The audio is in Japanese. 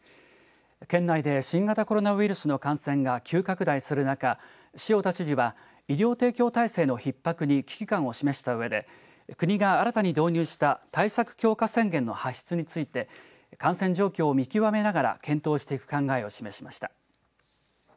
県内で新型コロナウイルスの感染が急拡大する中塩田知事は医療提供体制のひっ迫に危機感を示したうえで国が新たに導入した対策強化宣言の発出について感染状況を見極めながら検討していく考えを示しました。